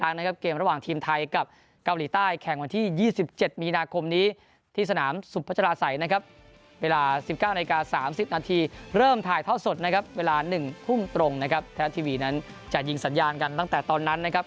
นะครับแทนท์ทีวีนั้นจะยิงสัญญาณกันตั้งแต่ตอนนั้นนะครับ